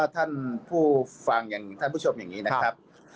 หากผู้ฟังอย่างคุณสุดข้อมันที่จะอย่างนี้นะครับ